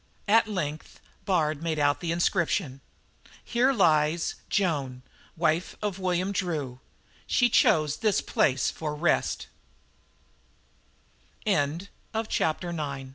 At length Bard made out this inscription: HERE SLEEPS JOAN WIFE OF WILLIAM DREW SHE CHOSE THIS PLACE FOR REST CHAPTER X A